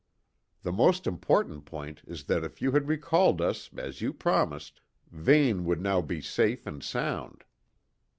The most important point is that if you had recalled us, as you promised, Vane would now be safe and sound."